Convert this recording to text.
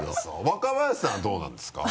若林さんはどうなんですか？